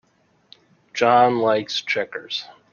John likes checkers.